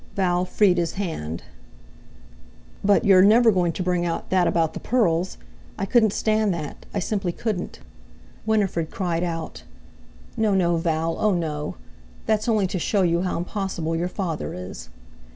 Val freed his hand. "But—you're—never going to bring out that about the pearls! I couldn't stand that—I simply couldn't!" Winifred cried out: "No, no, Val—oh no! That's only to show you how impossible your father is!"